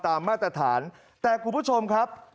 ตามมาตรฐานแต่พูดผู้ชมครับ